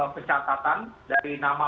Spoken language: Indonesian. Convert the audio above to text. percatatan dari nama